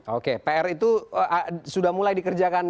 oke pr itu sudah mulai dikerjakan